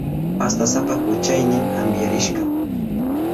Pastasapa kuchaynin kampiyarishka.